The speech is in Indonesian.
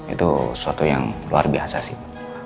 itu suatu yang luar biasa sih